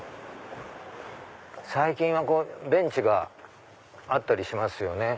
最近はベンチがあったりしますよね。